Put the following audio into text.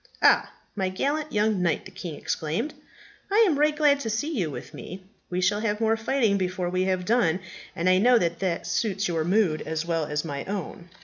"Ah, my gallant young knight," the king exclaimed, "I am right glad to see you with me. We shall have more fighting before we have done, and I know that that suits your mood as well as my own."